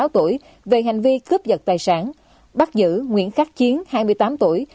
sáu tuổi về hành vi cướp giật tài sản bắt giữ nguyễn khắc chiến hai mươi tám tuổi